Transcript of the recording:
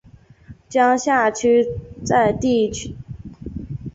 江夏区在地层区划上属扬子地层区下扬子分区大冶小区。